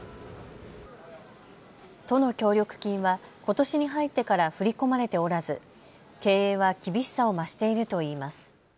都の協力金はことしに入ってから振り込まれておらず経営は厳しさを増しているといいます。